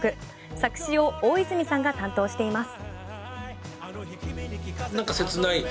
作詞を大泉さんが担当しています。